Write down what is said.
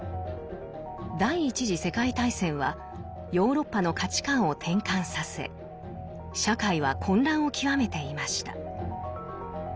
第一次世界大戦はヨーロッパの価値観を転換させ社会は混乱を極めていました。